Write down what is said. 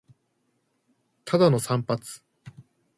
ただの散髪